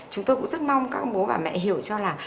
chúng tôi cũng rất mong các bố bà mẹ hiểu cho là